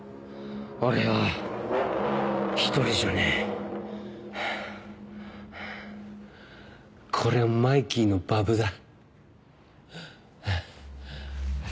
・俺は一人じゃねえ。これはマイキーのバブだ。